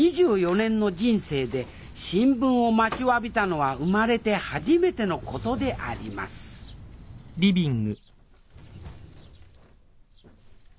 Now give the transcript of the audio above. ２４年の人生で新聞を待ちわびたのは生まれて初めてのことでありますキャッ！